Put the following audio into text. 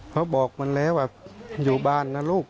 เขาบอกมันแล้วว่าอยู่บ้านนะลูก